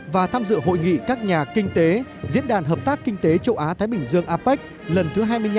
và tham dự hội nghị các nhà kinh tế diễn đàn hợp tác kinh tế châu á thái bình dương apec lần thứ hai mươi năm